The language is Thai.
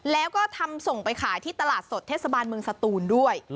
แล้วก็ทำส่งไปขายที่ตลาดสดเทศบาลเมืองสตูนด้วย